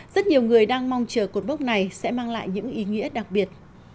rất nhiều người đang mong chờ cột mốc này sẽ mang lại những ý nghĩa đặc biệt